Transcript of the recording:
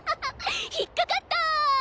引っ掛かった！